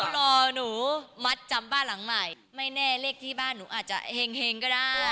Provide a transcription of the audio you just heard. รอหนูมัดจำบ้านหลังใหม่ไม่แน่เลขที่บ้านหนูอาจจะเห็งก็ได้